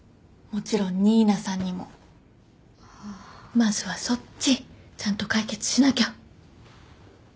まずはそっちちゃんと解決しなきゃ。